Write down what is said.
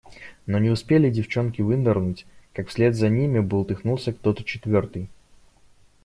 Но не успели девчонки вынырнуть, как вслед за ними бултыхнулся кто-то четвертый.